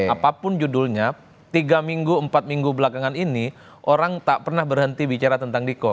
apapun judulnya tiga minggu empat minggu belakangan ini orang tak pernah berhenti bicara tentang niko